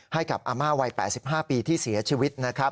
ให้กับอามาวัย๘๕ปีที่เสียชีวิต